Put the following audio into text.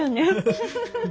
フフフッ。